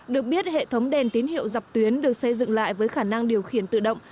được biết hệ thống đèn tín hiệu dọc tuyến được xây dựng lại với khả năng điều khiển tự động